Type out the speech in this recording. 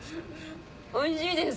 おいしいです。